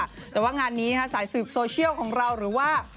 จำไม่ได้ค่ะแต่ว่างานนี้นะคะสายสืบโซเชียลของเราหรือว่า